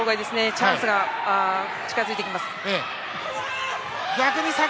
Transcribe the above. チャンスが近づいてきます。